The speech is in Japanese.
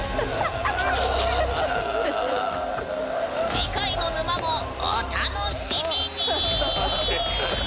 次回の沼もお楽しみに！